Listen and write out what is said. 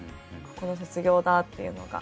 卒業だっていうのが。